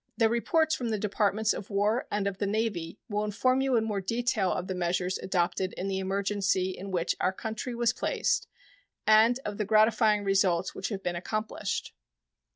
The reports from the Departments of War and of the Navy will inform you more in detail of the measures adopted in the emergency in which our country was placed and of the gratifying results which have been accomplished.